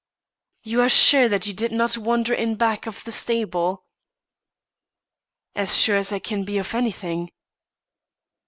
"You are sure that you did not wander in back of the stable?" "As sure as I can be of anything."